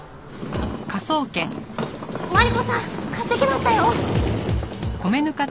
マリコさん買ってきましたよ！